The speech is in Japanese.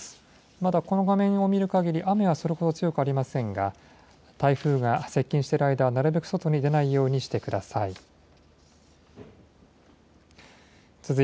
まだこの画面を見る限り、雨はそれほど強くはありませんが、台風が接近している間はなるべく外に出ないようにしてください。